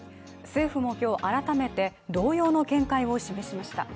政府も今日新ためて同様の見解を示しました。